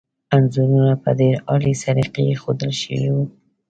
انځورونه په ډېر عالي سلیقې ایښودل شوي وو.